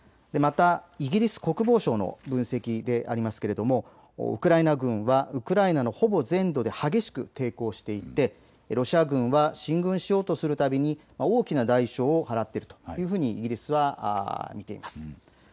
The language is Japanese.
またイギリス国防省の分析でありますが、ウクライナ軍はウクライナのほぼ全土で激しく抵抗していてロシア軍は進軍しようとするたびに大きな代償を払っているというふうに見ています。